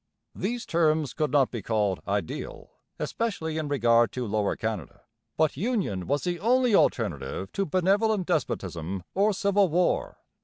These terms could not be called ideal, especially in regard to Lower Canada; but union was the only alternative to benevolent despotism or civil war.